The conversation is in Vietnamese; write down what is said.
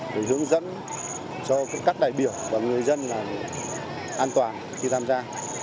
để hướng dẫn cho các đại biểu và người dân là an toàn khi tham gia